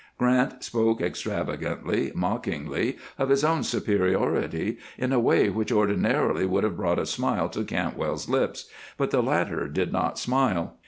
Grant spoke extravagantly, mockingly, of his own superiority in a way which ordinarily would have brought a smile to Cantwell's lips, but the latter did not smile.